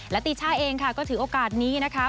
และตีช่าเองค่ะก็ถือโอกาสนี้นะคะ